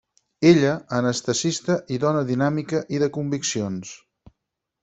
Ella, anestesista i dona dinàmica i de conviccions.